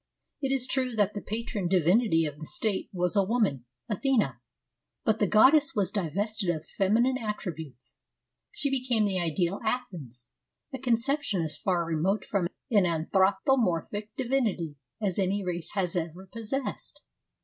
It is true that the patron divinity of the state was a woman, Athena, but the goddess was divested of feminine attributes. She became the ideal Athens, a conception as far remote from an anthropomorphic divinity as any race has ever possessed.